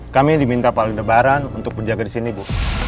kami diminta pak aldebaran untuk menjaga disini bu